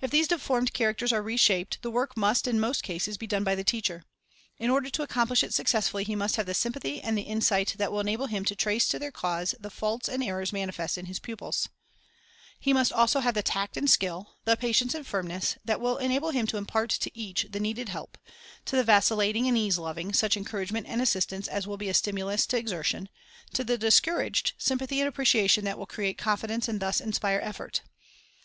If these deformed characters are reshaped, the work must, in most cases, be done by the teacher. In order to accomplish it successfully, he must have Administrative Ability Difficulties 280 The Under Teacher Sympathy and Insight Social Relation Partiality the sympathy and insight that will enable him to trace to their cause the faults and errors manifest in his pupils. He must have also the tact and skill, the patience and firmness, that will enable him to impart to each the needed help, — to the vacillating and ease loving, such encouragement and assistance as will be a stimulus to exertion ; to the discouraged, sympathy and appreciation that will create confidence and thus inspire effort.